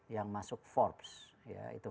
yang masuk forbes ya itu